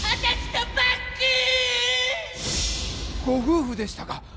ご夫婦でしたか！